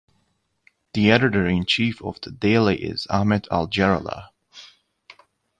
The editor-in-chief of the daily is Ahmed Al-Jarallah.